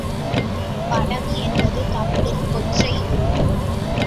படவு என்பது தமிழில் கொச்சை உருவம்.